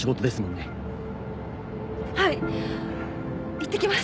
いってきます。